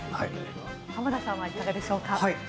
濱田さんはいかがでしょうか。